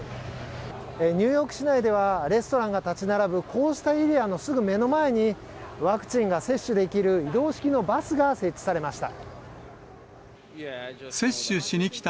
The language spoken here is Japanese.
ニューヨーク市内では、レストランが建ち並ぶこうしたエリアのすぐ目の前に、ワクチンが接種できる移動式のバスが設置されました。